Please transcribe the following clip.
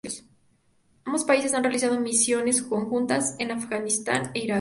Ambos países han realizado misiones conjuntas en Afganistán e Irak.